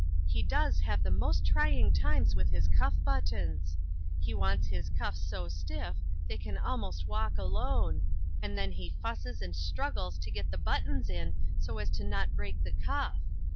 He does have the most trying times with his cuff buttons. He wants his MAKING OPPORTUNITIES. cuffs so stiff they can almost walk alone, and then he fusses and struggles to get the buttons in so as not to break the cuff.